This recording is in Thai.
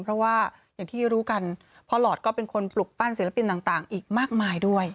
เพราะว่าอย่างที่รู้กันพ่อหลอดก็เป็นคนปลุกปั้นศิลปินต่างอีกมากมายด้วย